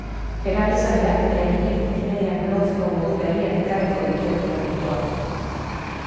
Erabiltzaileak eta eduki multimediak lotzeko modu berriak ekarriko dituen produktuak.